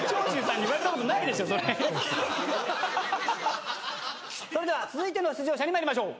それでは続いての出場者に参りましょう。